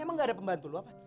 emang gak ada pembantu lu apa